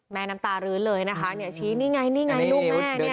แม่น้ำตาลื้อเลยนะคะชี้นี่ไงนี่ไงลูกแม่เนี่ยค่ะ